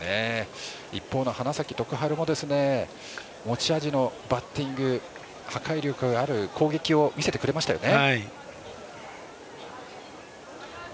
一方の花咲徳栄も持ち味のバッティング破壊力ある攻撃を見せてくれましたよね。